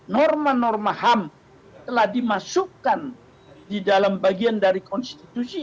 norma norma ham telah dimasukkan di dalam bagian dari konstitusi